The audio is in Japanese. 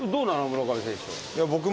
村上選手は。